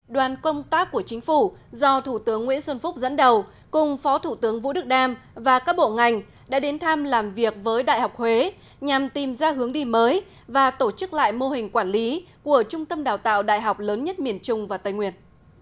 đoàn công tác của chính phủ do thủ tướng nguyễn xuân phúc dẫn đầu cùng phó thủ tướng vũ đức đam và các bộ ngành đã đến thăm làm việc với đại học huế nhằm tìm ra hướng đi mới và tổ chức lại mô hình quản lý của trung tâm đào tạo đại học lớn nhất miền trung và tây nguyệt